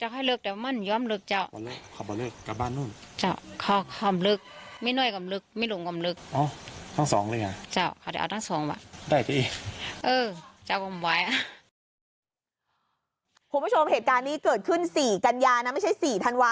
ผมไม่ชมเหตุการณ์นี้เกิดขึ้นสี่กัญญานะไม่ใช่สี่ธันวา